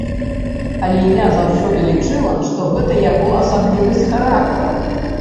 Але я заўсёды лічыла, што гэта яго асаблівасць характару.